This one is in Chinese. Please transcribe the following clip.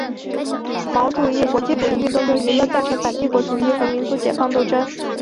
毛主义国际主义运动用舆论赞成反帝国主义和民族解放斗争。